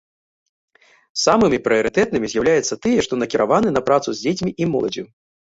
Самымі прыярытэтнымі з'яўляюцца тыя, што накіраваны на працу з дзецьмі і моладдзю.